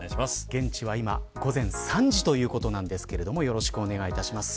現地は今、午前３時ということなんですけれどもよろしくお願いします。